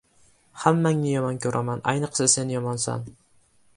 — Hammangni yomon ko‘raman! Ayniqsa, sen yomonsan!